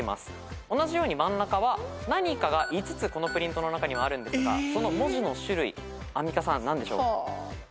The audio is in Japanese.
同じように真ん中は何かが５つこのプリントの中にはあるんですがその文字の種類アンミカさん何でしょう？